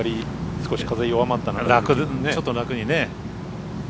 少し風弱まってちょっと楽にね。